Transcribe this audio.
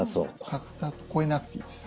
かかと越えなくていいです。